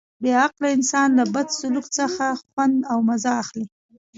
بې عقله انسان له بد سلوک څخه خوند او مزه اخلي.